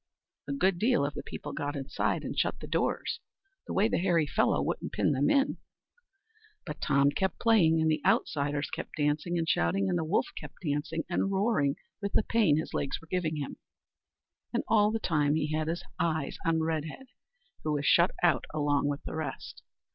A good deal of the people got inside, and shut the doors, the way the hairy fellow wouldn't pin them; but Tom kept playing, and the outsiders kept dancing and shouting, and the wolf kept dancing and roaring with the pain his legs were giving him; and all the time he had his eyes on Redhead, who was shut out along with the rest.